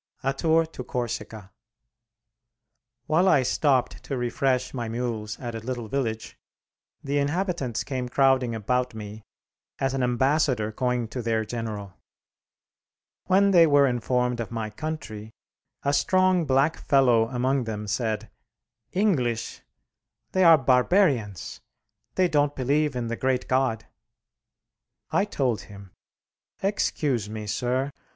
A TOUR TO CORSICA While I stopped to refresh my mules at a little village, the inhabitants came crowding about me as an ambassador going to their General. When they were informed of my country, a strong black fellow among them said, "English! they are barbarians; they don't believe in the great God." I told him, "Excuse me, sir.